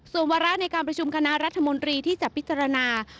ส่วนวาระในการประชุมคณะรัฐมนตรีที่จะพิจารณา